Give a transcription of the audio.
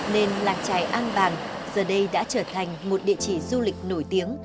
nên làng trài an bàng giờ đây đã trở thành một địa chỉ du lịch nổi tiếng